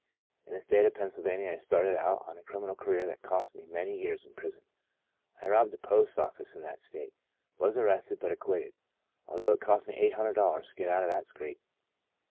In the state of Pennsylvania I started out on a criminal career that cost me many years in prison. I robbed a post office in that state, was arrested, but acquitted, although it cost me eight hundred dollars to get out of that scrape.